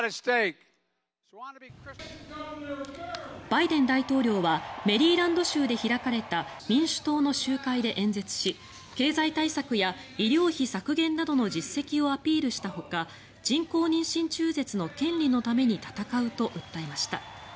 バイデン大統領はメリーランド州で開かれた民主党の集会で演説し経済対策や医療費削減などの実績をアピールしたほか人工妊娠中絶の権利のために戦うと訴えました。